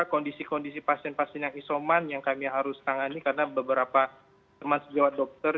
kondisi kondisi pasien pasien yang isoman yang kami harus tangani karena beberapa teman sejawat dokter